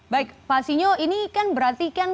baik pak sinyo ini kan berarti kan